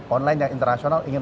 online yang internasional ingin